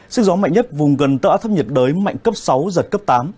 sức gió mạnh nhất vùng gần tựa át thấp nhiệt đới mạnh cấp sáu giật cấp tám